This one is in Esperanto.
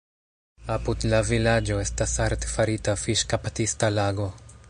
Apud la vilaĝo estas artefarita fiŝkaptista lago.